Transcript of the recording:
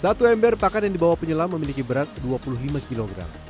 satu ember pakan yang dibawa penyelam memiliki berat dua puluh lima kg